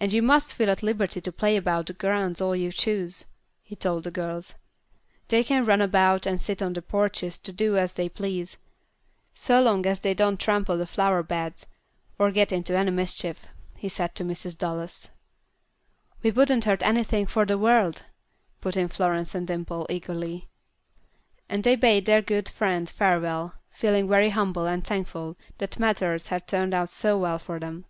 "And you must feel at liberty to play about the grounds all you choose," he told the girls. "They can run about, and sit on the porches and do as they please, so long as they do not trample the flower beds, or get into any mischief," he said to Mrs. Dallas. "We wouldn't hurt anything for the world," put in Florence and Dimple, eagerly. And they bade their good friend farewell, feeling very humble and thankful that matters had turned out so well for them.